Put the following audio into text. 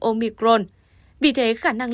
omicron vì thế khả năng